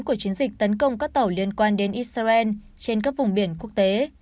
của chiến dịch tấn công các tàu liên quan đến israel trên các vùng biển quốc tế